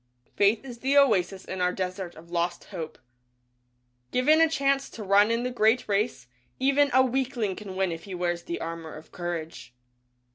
Faith is the oasis in our Desert of Lost Hope. Given a chance to run in the Great Race, even a weakling can win if he wears the Armor of Courage.